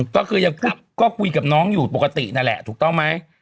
ก็คือยังก็คุยกับน้องอยู่ปกตินั่นแหละถูกต้องไหม